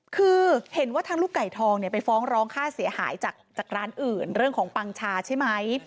คือเห็นว่าทางลูกไก่ทองไปฟ้องร้องค่าเสียหายจากร้านอื่นเรื่องของปังชาใช่ไหม